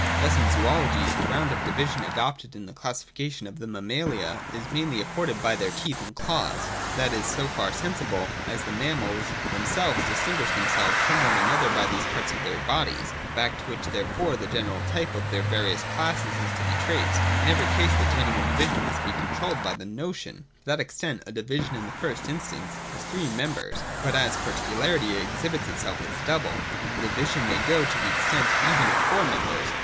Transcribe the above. Thus, in zoology, the ground of division adopted in the classification of the mammalia is mainly afforded by their teeth and claws. That is so far sensible, as the mammals themselves distinguish themselves from one another by these parts of their bodies ; back to which therefore the general 368 THE DOCTRINE OF THE NOTION. [230, 231. type of their various classes is to be traced. In every case the genuine division must be controlled by the notion. To that extent a division, in the first instance, has three members : but as particularity exhibits itself as double, the division may go to the extent even of four members.